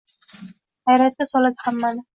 hayratga soladi hammani